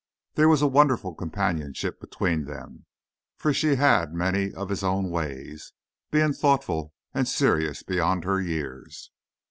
There was a wonderful companionship between them, for she had many of his own ways, being thoughtful and serious beyond her years.